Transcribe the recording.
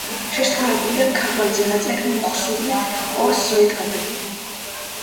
შესრულებულია ქაღალდზე, ნაწერია ნუსხურით ორ სვეტად.